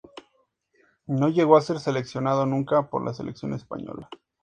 No llegó a ser seleccionado nunca por la Selección Española.